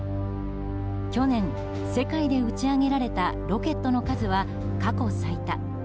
去年、世界で打ち上げられたロケットの数は過去最多。